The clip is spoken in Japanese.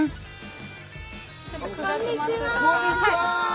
こんにちは。